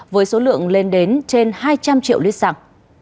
với số lượng lên đến trên hai trăm linh triệu lít xăng